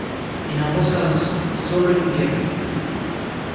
En ambos casos, solo en invierno.